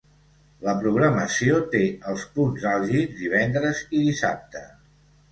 La programació té els punts àlgids divendres i dissabte.